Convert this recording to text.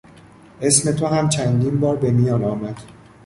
اسم تو هم چندین بار به میان آمد.